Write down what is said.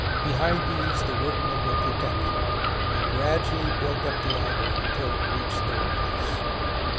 Behind these the workmen were protected and gradually built up the agger until it reached the walls.